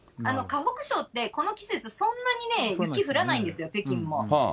河北省ってこの季節、そんなに雪降らないんですよ、北京も。